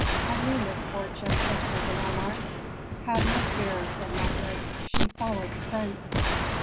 "A new misfortune," whispered the nomarch. "Have no fear," said Mefres; "she followed the prince."